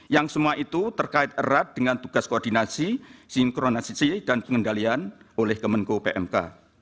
yang semua itu terkait erat dengan tugas koordinasi sinkronisasi dan pengendalian oleh kemenko pmk